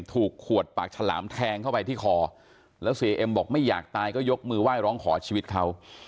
ถูกขวดปากฉลามแทงเข้าไปที่คอแล้วเสียเอ็มบอกไม่อยากตายก็ยกมือไหว้ร้องขอชีวิตเขา